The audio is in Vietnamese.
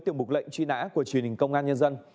tiếng bục lệnh truy nã của truyền hình công an nhân dân